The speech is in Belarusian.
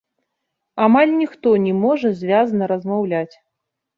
Амаль ніхто не можа звязна размаўляць.